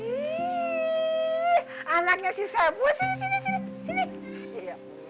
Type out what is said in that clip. ih anaknya si saipul